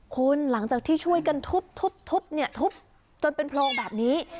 คุณหลังจากที่ช่วยกันทุบเนี่ยทุบจนเป็นโพรงแบบนี้